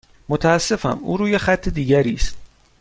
متاسفم، او روی خط دیگری است.